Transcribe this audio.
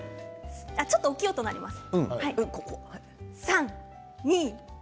ちょっと大きい音が鳴ります。